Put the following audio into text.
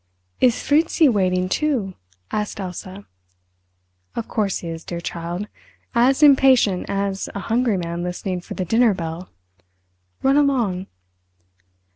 "Is Fritzi waiting too?" asked Elsa. "Of course he is, dear child—as impatient as a hungry man listening for the dinner bell. Run along!"